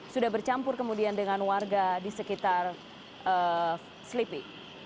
sudah bercampur kemudian dengan warga di sekitar sleepy